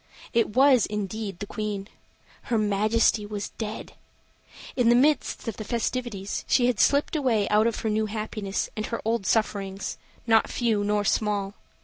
It was, indeed, the Queen. Her Majesty was dead! In the midst of the festivities she had slipped away out of her new happiness and her old sufferings, not few nor small.